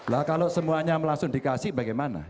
lah kalau semuanya langsung dikasih bagaimana